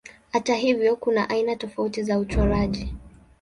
Hata hivyo kuna aina tofauti za uchoraji.